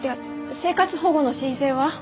生活保護の申請は？